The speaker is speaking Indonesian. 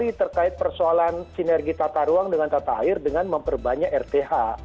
ini terkait persoalan sinergi tata ruang dengan tata air dengan memperbanyak rth